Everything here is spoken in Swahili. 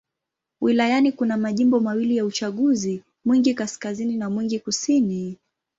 Wilayani kuna majimbo mawili ya uchaguzi: Mwingi Kaskazini na Mwingi Kusini.